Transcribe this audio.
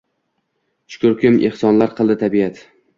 Shukrkim, ehsonlar qildi tabiat